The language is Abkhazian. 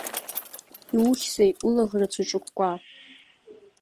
Иухьзеи, улаӷырӡ уҿыкәкәа!